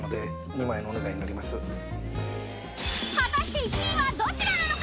［果たして１位はどちらなのか？